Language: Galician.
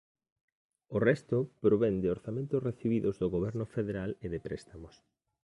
O resto provén de orzamentos recibidos do goberno federal e de préstamos.